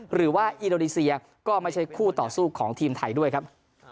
หรือว่าอินโดนีเซียก็ไม่ใช่คู่ต่อสู้ของทีมไทยด้วยครับ